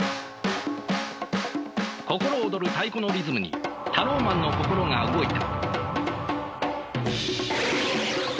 心躍る太鼓のリズムにタローマンの心が動いた。